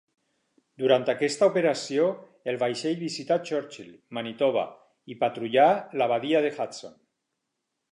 Durant aquesta operació, el vaixell visità Churchill, Manitoba i patrullà la badia de Hudson.